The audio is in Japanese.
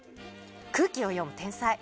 空気を読む天才。